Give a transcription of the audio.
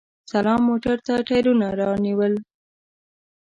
سلام موټر ته ټیرونه رانیول!